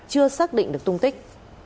chưa xác định được tung tích